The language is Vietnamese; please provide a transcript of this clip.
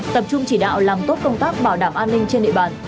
tập trung chỉ đạo làm tốt công tác bảo đảm an ninh trên địa bàn